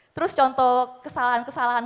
terus contoh kesalahan kesalahan